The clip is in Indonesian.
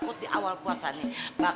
kamu mau berbicara di mana tuh